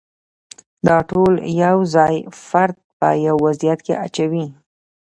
دا ټول یو ځای فرد په یو وضعیت کې اچوي.